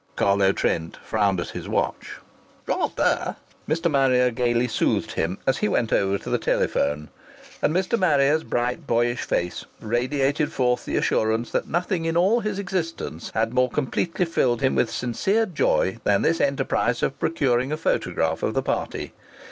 Carlo Trent frowned at his watch. "Rather!" Mr. Marrier gaily soothed him, as he went over to the telephone. And Mr. Marrier's bright, boyish face radiated forth the assurance that nothing in all his existence had more completely filled him with sincere joy than this enterprise of procuring a photograph of the party.